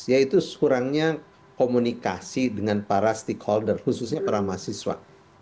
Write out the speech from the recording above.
yaitu kurangnya komunikasi dengan para stakeholder khususnya para mahasiswa